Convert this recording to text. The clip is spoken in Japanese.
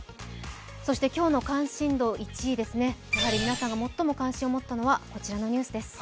そして今日の関心度１位、やはり皆さんが最も関心を持ったのはこちらのニュースです。